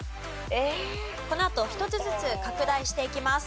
このあと１つずつ拡大していきます。